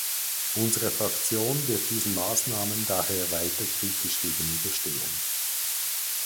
Unsere Fraktion wird diesen Maßnahmen daher weiter kritisch gegenüberstehen.